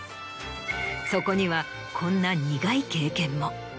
そこにはこんな苦い経験も。